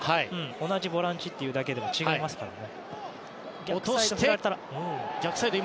同じボランチというだけでも違いますからね。